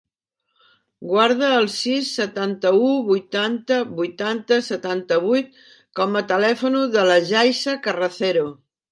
Guarda el sis, setanta-u, vuitanta, vuitanta, setanta-vuit com a telèfon de la Yaiza Carracedo.